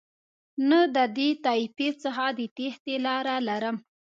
نه د دې طایفې څخه د تېښتې لاره لرم.